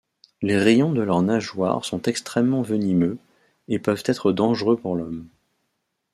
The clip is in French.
Les rayons de leurs nageoires sont extrêmement venimeux, et peuvent être dangereux pour l'Homme.